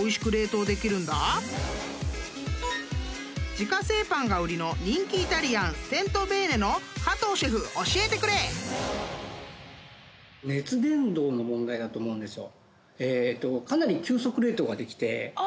［自家製パンが売りの人気イタリアンＳｅｎｔｏＢｅｎｅの加藤シェフ教えてくれ！］の問題だと思うんですよ。